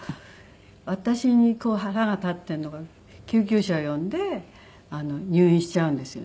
私に腹が立っているのか救急車を呼んで入院しちゃうんですよね。